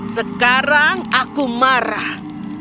sekarang aku marah